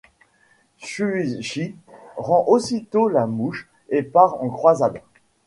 Shūichi prend aussitôt la mouche et part en croisade.